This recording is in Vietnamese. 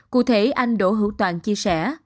cụ thể anh đỗ hữu toàn chia sẻ